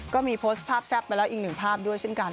ก็มีโพสต์ภาพแซ่บไปแล้วอีกหนึ่งภาพด้วยเช่นกัน